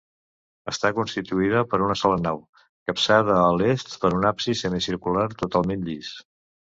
Està constituïda per una sola nau, capçada a l’est per un absis semicircular totalment llis.